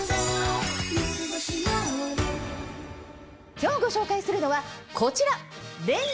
今日ご紹介するのはこちら！